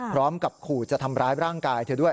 พร้อมกับขู่จะทำร้ายร่างกายเธอด้วย